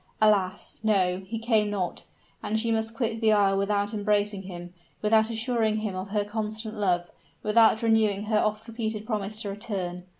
Alas! no he came not and she must quit the isle without embracing him without assuring him of her constant love without renewing her oft repeated promise to return.